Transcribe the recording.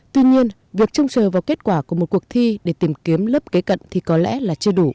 tuy nhiên việc trông sờ vào kết quả của một cuộc thi để tìm kiếm lớp kế cận thì có lẽ là chưa đủ